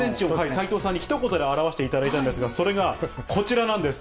斉藤さんにひと言で表していただいたんですが、それがこちらなんです。